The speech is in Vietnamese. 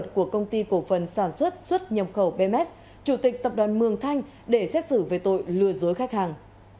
chủ tịch tập đoàn mường thanh để xét xử về tội lừa dối khách hàng